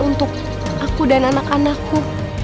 untuk aku dan anak anakku